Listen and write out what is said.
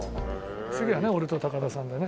次はね俺と高田さんでね。